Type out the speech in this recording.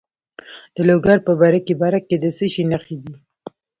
د لوګر په برکي برک کې د څه شي نښې دي؟